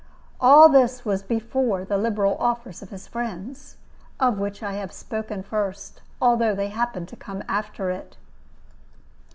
All this was before the liberal offers of his friends, of which I have spoken first, although they happened to come after it.